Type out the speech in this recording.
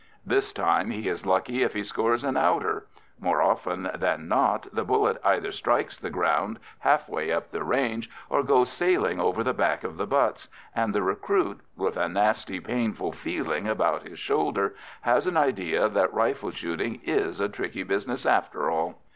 This time he is lucky if he scores an outer; more often than not the bullet either strikes the ground half way up the range, or goes sailing over the back of the butts, and the recruit, with a nasty painful feeling about his shoulder, has an idea that rifle shooting is a tricky business, after all.